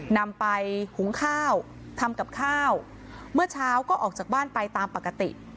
นำไปหุงข้าวทำกับข้าวเมื่อเช้าก็ออกจากบ้านไปตามปกติ